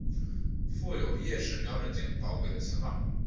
附有夜视瞄准镜导轨的型号。